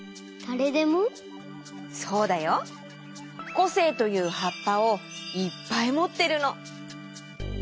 こせいというはっぱをいっぱいもってるの。